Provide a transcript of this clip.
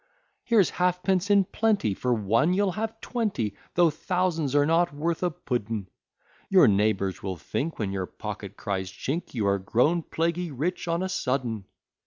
Here's halfpence in plenty, For one you'll have twenty, Though thousands are not worth a pudden. Your neighbours will think, When your pocket cries chink. You are grown plaguy rich on a sudden.